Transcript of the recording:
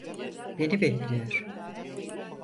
Beni bekliyor.